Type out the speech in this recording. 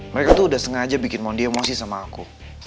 mereka tuh udah sengaja bikin mondi emosi sama aku